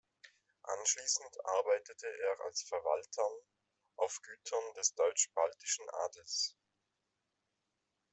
Anschließend arbeitete er als Verwaltern auf Gütern des deutschbaltischen Adels.